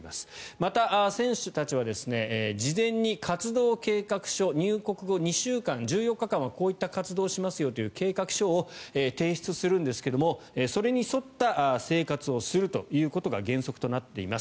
また選手たちは事前に活動計画書入国後２週間、１４日間はこういった活動をしますよという計画書を提出するんですがそれに沿った生活をするということが原則となっています。